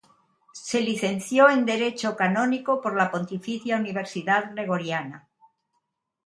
Se licenció en Derecho Canónico por la Pontificia Universidad Gregoriana.